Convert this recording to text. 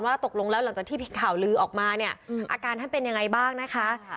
ตกลงแล้วหลังจากที่มีข่าวลือออกมาเนี่ยอาการท่านเป็นยังไงบ้างนะคะ